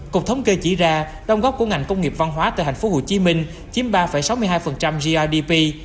cục thống kê chỉ ra đồng góp của ngành công nghiệp văn hóa tại tp hcm chiếm ba sáu mươi hai grdp